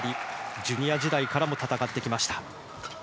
ジュニア時代からも戦ってきました。